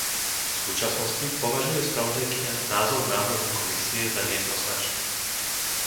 V súčasnosti považuje spravodajkyňa názov návrhu Komisie za nejednoznačný.